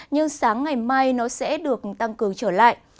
nhưng sáng ngày mai nó sẽ được tăng cường trở lại